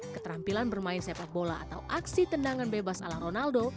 keterampilan bermain sepak bola atau aksi tendangan bebas ala ronaldo